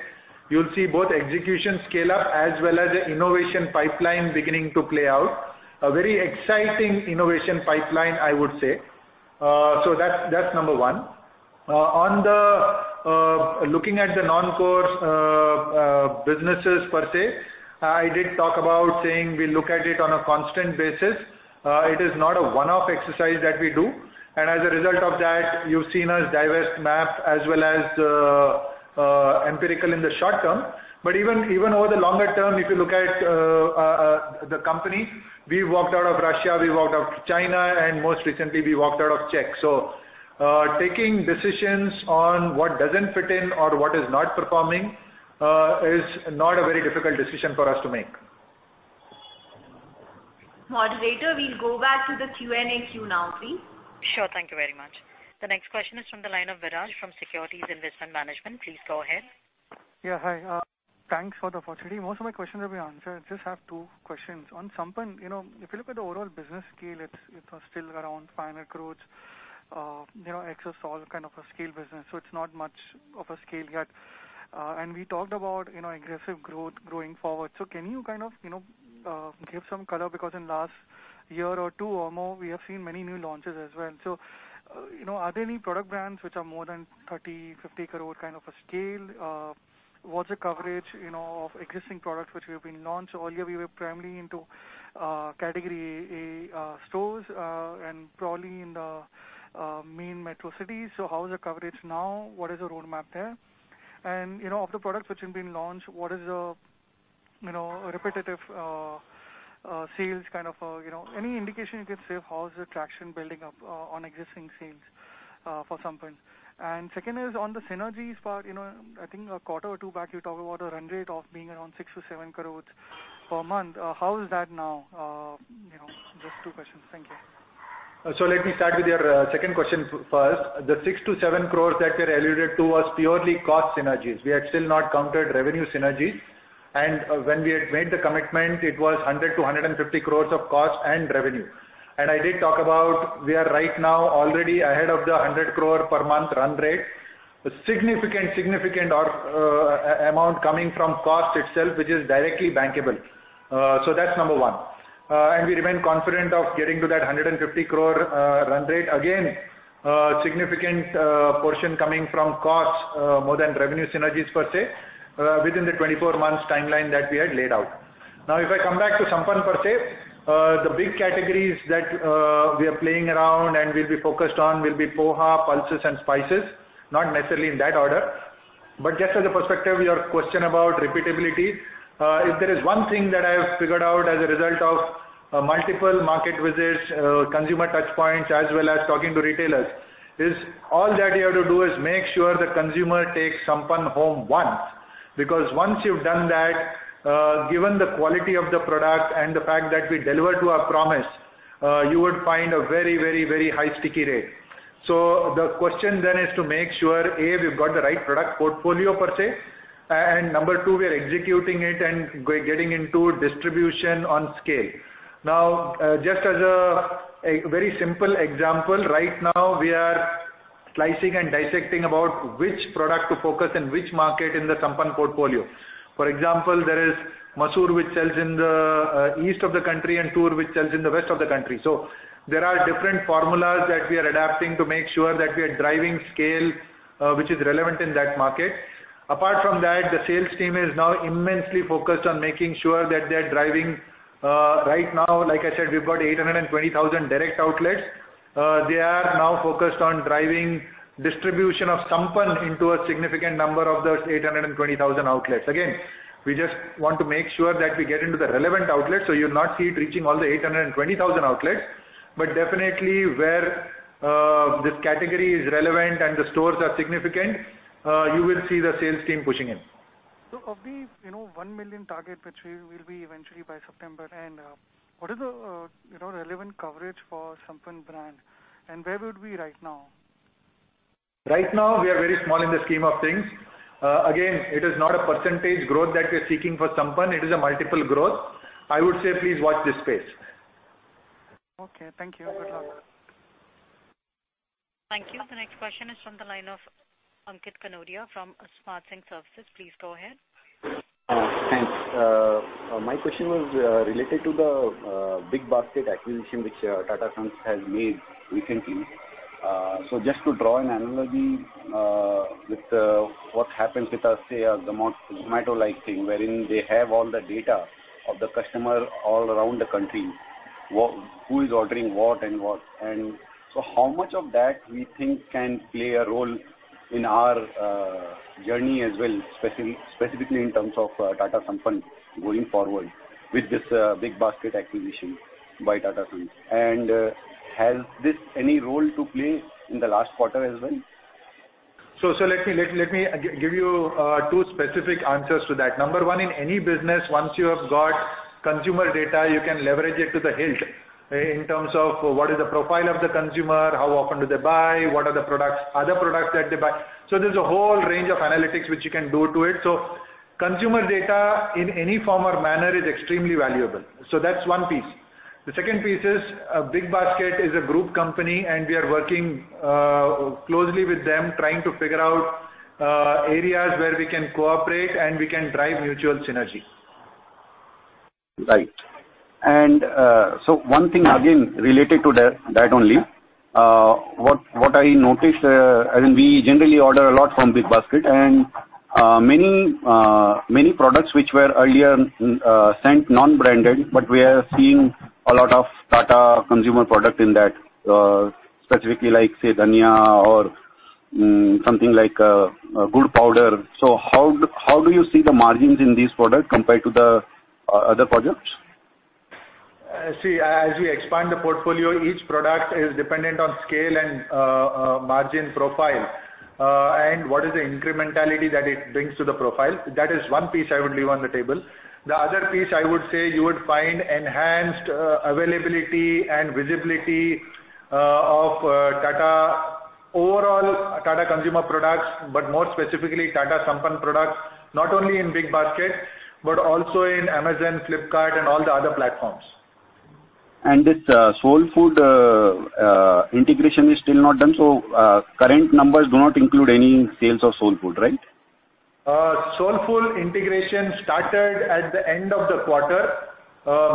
You'll see both execution scale up as well as the innovation pipeline beginning to play out. A very exciting innovation pipeline, I would say. That's number one. On the looking at the non-core businesses per se, I did talk about saying we look at it on a constant basis. It is not a one-off exercise that we do. As a result of that, you've seen us divest MAP as well as the Empirical in the short term. Even over the longer term, if you look at the company, we walked out of Russia, we walked out of China, and most recently we walked out of Czech. Taking decisions on what doesn't fit in or what is not performing is not a very difficult decision for us to make. Moderator, we'll go back to the Q&A queue now, please. Sure. Thank you very much. The next question is from the line of Viraj from Securities Investment Management. Please go ahead. Yeah, hi. Thanks for the opportunity. Most of my questions have been answered. I just have two questions. On Sampann, if you look at the overall business scale, it was still around INR 5 crore, excess all kind of a scale business. It's not much of a scale yet. We talked about aggressive growth going forward. Can you give some color, because in last year or two or more, we have seen many new launches as well. Are there any product brands which are more than 30 crore, 50 crore scale? What's the coverage of existing products which have been launched earlier? We were primarily into category A stores, and probably in the main metro cities. How is the coverage now? What is the roadmap there? Of the products which have been launched, what is the repetitive sales kind of any indication you can say of how is the traction building up on existing sales for Sampann? Second is on the synergies part, I think a quarter or two back, you talked about a run rate of being around 6 crores-7 crores per month. How is that now? Just two questions. Thank you. Let me start with your second question first. The 6 crores-7 crores that we alluded to was purely cost synergies. We had still not counted revenue synergies. When we had made the commitment, it was 100 crores-150 crores of cost and revenue. I did talk about we are right now already ahead of the 100 crore per month run rate, a significant amount coming from cost itself, which is directly bankable. That's number one. We remain confident of getting to that 150 crore run rate. Again, significant portion coming from cost more than revenue synergies, per se, within the 24 months timeline that we had laid out. If I come back to Sampann per se, the big categories that we are playing around and will be focused on will be poha, pulses, and spices, not necessarily in that order. Just as a perspective, your question about repeatability, if there is one thing that I have figured out as a result of multiple market visits, consumer touch points, as well as talking to retailers, is all that you have to do is make sure the consumer takes Sampann home once. Because once you've done that, given the quality of the product and the fact that we deliver to our promise, you would find a very high sticky rate. The question then is to make sure, A, we've got the right product portfolio per se, and number two, we are executing it and getting into distribution on scale. Just as a very simple example, right now we are slicing and dissecting about which product to focus and which market in the Sampann portfolio. For example, there is masoor which sells in the east of the country and toor which sells in the west of the country. There are different formulas that we are adapting to make sure that we are driving scale, which is relevant in that market. Apart from that, the sales team is now immensely focused on making sure that they're driving. Right now, like I said, we've got 820,000 direct outlets. They are now focused on driving distribution of Sampann into a significant number of those 820,000 outlets. We just want to make sure that we get into the relevant outlets, so you'll not see it reaching all the 820,000 outlets. Definitely where this category is relevant and the stores are significant, you will see the sales team pushing in. Of the 1 million target, which we will be eventually by September, and what is the relevant coverage for Sampann brand, and where would we right now? Right now, we are very small in the scheme of things. Again, it is not a percentage growth that we are seeking for Sampann, it is a multiple growth. I would say, please watch this space. Okay. Thank you. Good luck. Thank you. The next question is from the line of Ankit Kanodia from Smart Sync Services. Please go ahead. Thanks. My question was related to the BigBasket acquisition, which Tata Sons has made recently. Just to draw an analogy, with what happens with a Zomato-like thing, wherein they have all the data of the customer all around the country, who is ordering what and what. How much of that we think can play a role in our journey as well, specifically in terms of Tata Sampann going forward with this BigBasket acquisition by Tata Sons. Has this any role to play in the last quarter as well? Let me give you two specific answers to that. Number one, in any business, once you have got consumer data, you can leverage it to the hilt in terms of what is the profile of the consumer, how often do they buy, what are the other products that they buy. There's a whole range of analytics which you can do to it. Consumer data in any form or manner is extremely valuable. That's one piece. The second piece is, BigBasket is a group company, and we are working closely with them, trying to figure out areas where we can cooperate and we can drive mutual synergy. Right. One thing again, related to that only. What I noticed, we generally order a lot from BigBasket and many products which were earlier sent non-branded, but we are seeing a lot of Tata Consumer Products in that, specifically like, say, dhaniya or something like gur powder. How do you see the margins in these products compared to the other products? See, as we expand the portfolio, each product is dependent on scale and margin profile, and what is the incrementality that it brings to the profile. That is one piece I would leave on the table. The other piece, I would say, you would find enhanced availability and visibility of overall Tata Consumer Products, More specifically Tata Sampann products, not only in BigBasket, but also in Amazon, Flipkart, and all the other platforms. This Soulfull integration is still not done, so current numbers do not include any sales of Soulfull, right? Soulfull integration started at the end of the quarter,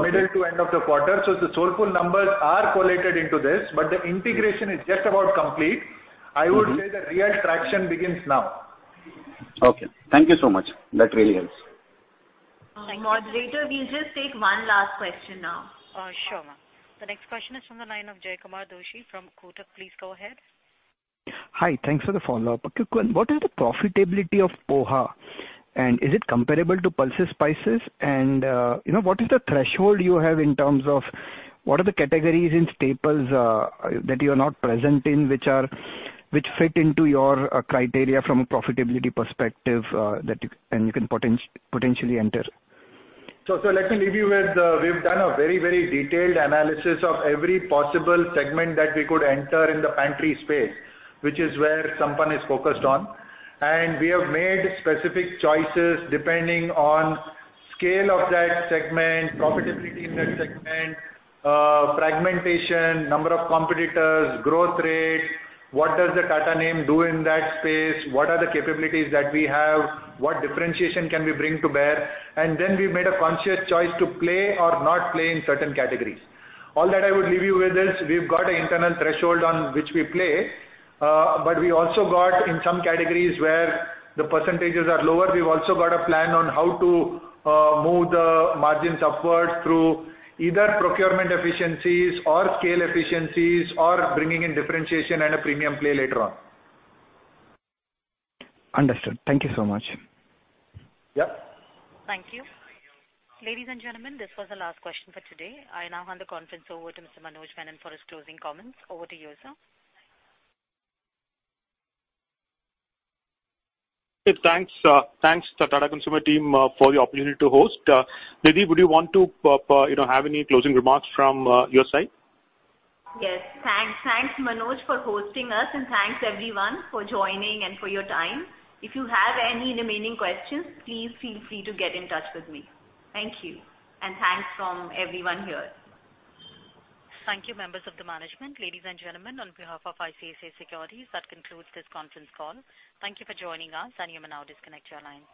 middle to end of the quarter. The Soulfull numbers are collated into this, but the integration is just about complete. I would say the real traction begins now. Okay. Thank you so much. That really helps. Thank you. Moderator, we'll just take one last question now. Sure, ma'am. The next question is from the line of Jaykumar Doshi from Kotak. Please go ahead. Hi. Thanks for the follow-up. Quick one. What is the profitability of poha, and is it comparable to pulses spices? What is the threshold you have in terms of what are the categories in staples that you're not present in, which fit into your criteria from a profitability perspective, and you can potentially enter? Let me leave you with, we've done a very detailed analysis of every possible segment that we could enter in the pantry space, which is where Sampann is focused on. We have made specific choices depending on scale of that segment, profitability in that segment, fragmentation, number of competitors, growth rate, what does the Tata name do in that space, what are the capabilities that we have, what differentiation can we bring to bear. Then we've made a conscious choice to play or not play in certain categories. All that I would leave you with is, we've got an internal threshold on which we play. We also got, in some categories where the percentages are lower, we've also got a plan on how to move the margins upward through either procurement efficiencies or scale efficiencies or bringing in differentiation and a premium play later on. Understood. Thank you so much. Yep. Thank you. Ladies and gentlemen, this was the last question for today. I now hand the conference over to Mr. Manoj Menon for his closing comments. Over to you, sir. Thanks, Tata Consumer team, for the opportunity to host. Nidhi, would you want to have any closing remarks from your side? Yes. Thanks, Manoj, for hosting us, and thanks everyone for joining and for your time. If you have any remaining questions, please feel free to get in touch with me. Thank you, and thanks from everyone here. Thank you, members of the management. Ladies and gentlemen, on behalf of ICICI Securities, that concludes this conference call. Thank you for joining us. You may now disconnect your lines.